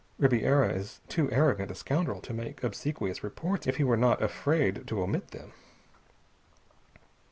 Ribiera is too arrogant a scoundrel to make obsequious reports if he were not afraid to omit them."